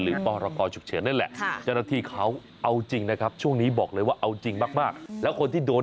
หรือบรากรชุมเฉิน